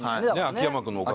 秋山君のおかげ。